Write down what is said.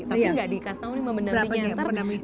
tapi gak dikasih tau nih mau mendampingi istri